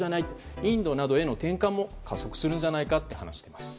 インドなどへの転換も加速するんじゃないかと。